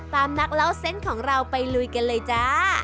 ตามนักเล่าเซ็นต์ของเราไปลุยกันเลยจ้ะ